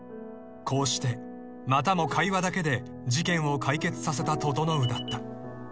［こうしてまたも会話だけで事件を解決させた整だった］